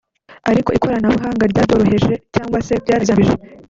Ariko ikoranabuhanga ryarabyoroheje cyangwa se byarabizambije